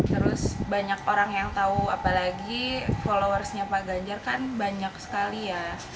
terus banyak orang yang tahu apalagi followersnya pak ganjar kan banyak sekali ya